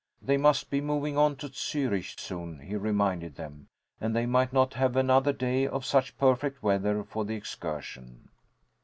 They must be moving on to Zürich, soon, he reminded them, and they might not have another day of such perfect weather, for the excursion.